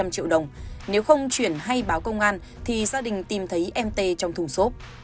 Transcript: hai trăm linh triệu đồng nếu không chuyển hay báo công an thì gia đình tìm thấy em tê trong thùng xốp